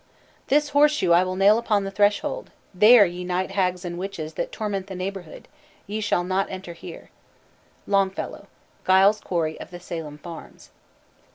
"This horseshoe will I nail upon the threshold. There, ye night hags and witches that torment The neighborhood, ye shall not enter here." LONGFELLOW: _Giles Corey of the Salem Farms.